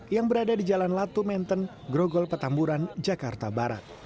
yang berada di jalan latu menten grogol petamburan jakarta barat